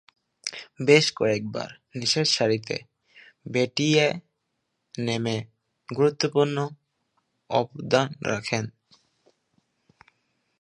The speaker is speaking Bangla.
বেশ কয়েকবার নিচেরসারিতে ব্যাটিংয়ে নেমে গুরুত্বপূর্ণ অবদান রাখেন।